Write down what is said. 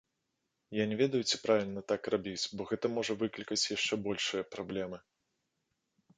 Я не ведаю, ці правільна так рабіць, бо гэта можа выклікаць яшчэ большыя праблемы.